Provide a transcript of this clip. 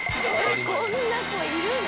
こんな子いるの？